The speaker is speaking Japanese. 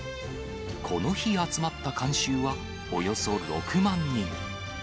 この日集まった観衆はおよそ６万人。